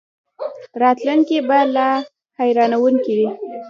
راتلونکی به لا حیرانوونکی وي.